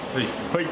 はい。